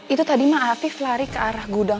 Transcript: itu tadi mah afif lari ke arah gudang